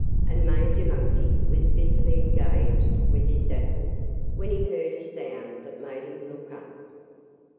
And Major Monkey was busily engaged with his apple, when he heard a sound that made him look up.